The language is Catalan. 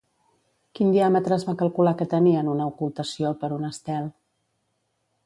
Quin diàmetre es va calcular que tenia en una ocultació per un estel?